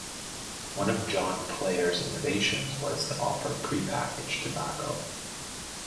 One of John Player's innovations was to offer pre-packaged tobacco.